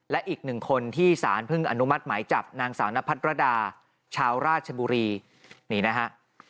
และอีกหนึ่งคนที่สารเพิ่งอนุมัติหมายจับนางสาวนพัทรดาชาวราชบุรีนี่นะฮะ